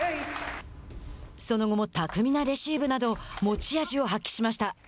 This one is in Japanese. その後も巧みなレシーブなど持ち味を発揮しました。